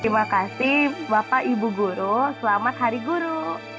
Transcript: terima kasih bapak ibu guru selamat hari guru